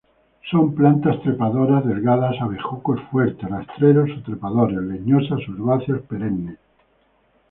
Son plantas trepadoras delgadas a bejucos fuertes, rastreros o trepadores, leñosas o herbáceas perennes.